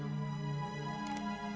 aku sudah berjalan